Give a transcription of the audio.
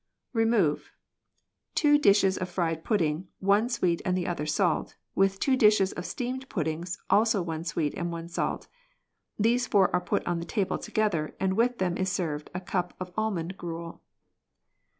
Remove. — Two dishes of fried pudding, one sweet and the other salt, with two dishes of steamed puddings, also one sweet and one salt. [These four are put on the table together and with them is served a cup of almond gruel.